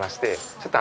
ちょっと！